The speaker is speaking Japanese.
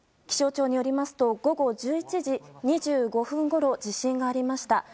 気象庁によりますと午後１１時２５分ごろ地震がありました。